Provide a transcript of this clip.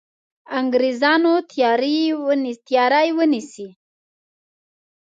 انګرېزانو تیاری ونیسي.